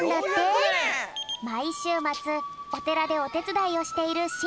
まいしゅうまつおてらでおてつだいをしているしのちゃん。